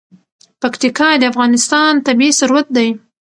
پکتیکا د افغانستان طبعي ثروت دی.